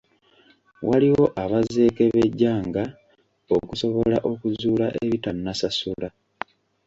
Waliwo abazeekebejjanga okusobola okuzuula ezitannasasula.